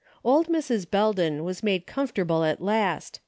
Old Mrs. Belden was made comfortable at last.